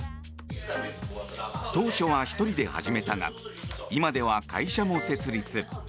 当初は１人で始めたが今では会社も設立。